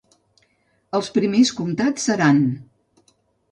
Els primers comtats seran: